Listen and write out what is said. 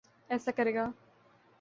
ایسا کرے گا۔